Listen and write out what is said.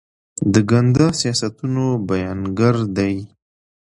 د ګنده سیاستونو بیانګر دي.